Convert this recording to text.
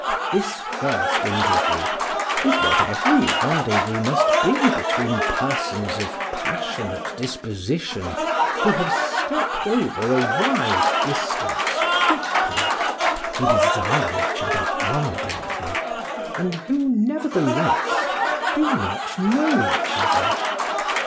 This first interview was what every rendezvous must be between persons of passionate disposition, who have stepped over a wide distance quickly, who desire each other ardently, and who, nevertheless, do not know each other.